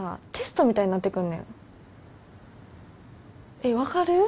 えっ分かる？